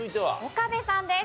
岡部さんです。